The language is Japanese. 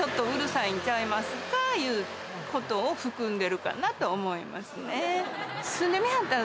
ちゃいますかいう事を含んでるかなと思いますね。